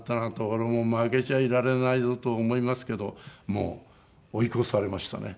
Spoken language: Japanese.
俺も負けちゃいられないぞと思いますけどもう追い越されましたね。